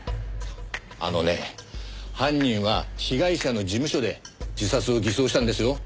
あのね犯人は被害者の事務所で自殺を偽装したんですよ。